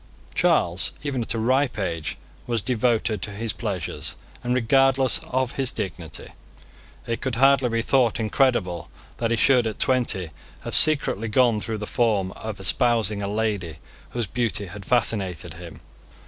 Charles, even at a ripe age, was devoted to his pleasures and regardless of his dignity. It could hardly be thought incredible that he should at twenty have secretly gone through the form of espousing a lady whose beauty had fascinated him.